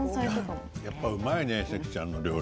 やっぱうまいね関ちゃんの料理。